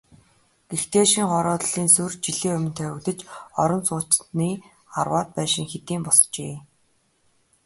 Гэхдээ шинэ хорооллын суурь жилийн өмнө тавигдаж, орон сууцны арваад байшин хэдийн босжээ.